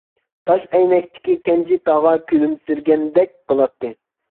تاش ئەينەكتىكى كەنجى تاغا كۈلۈمسىرىگەندەك قىلاتتى.